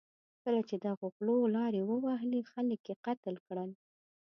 کله چې دغو غلو لارې ووهلې، خلک یې قتل کړل.